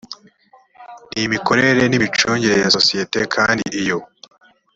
n imikorere n imicungire ya sosiyete kandi iyo